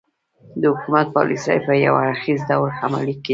د حکومت پالیسۍ په یو اړخیز ډول عملي کېدې.